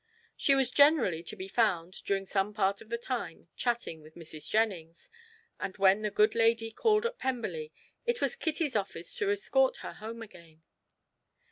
She was generally to be found, during some part of the time, chatting with Mrs. Jennings; and when the good lady called at Pemberley it was Kitty's office to escort her home again.